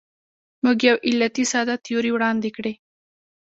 موږ یو علتي ساده تیوري وړاندې کړې.